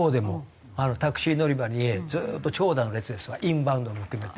タクシー乗り場にずっと長蛇の列ですわインバウンドも含めて。